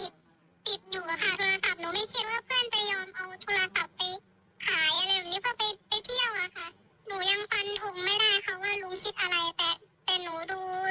โทรศัพท์หนูไม่คิดว่าเพื่อนจะยอม